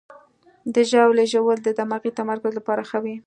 د ژاولې ژوول د دماغي تمرکز لپاره ښه وي.